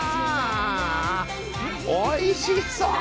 おいしそう！